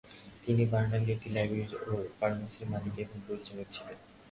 তিনি বার্লিনে একটি ল্যাবরেটরি ও ফার্মাসির মালিক এবং পরিচালক ছিলেন।